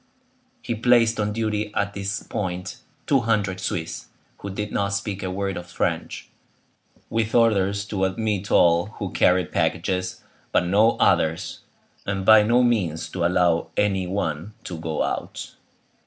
He placed on duty at this point two hundred Swiss, who did not speak a word of French, with orders to admit all who carried packages, but no others; and by no means to allow any one to go out.